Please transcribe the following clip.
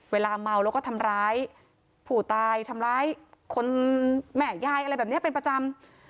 เวลาเมาแล้วก็ทำร้ายผู้ตายทำร้ายคนแม่ยายอะไรแบบนี้เป็นประจำ